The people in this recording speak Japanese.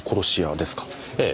ええ。